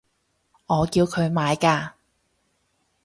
我叫佢買㗎